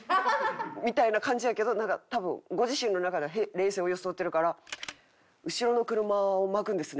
みたいな感じやけどなんか多分ご自身の中では冷静を装ってるから「後ろの車をまくんですね？」